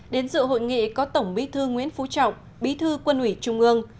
đến dự hội nghị có tổng bí thư nguyễn phú trọng bí thư quân ủy trung ương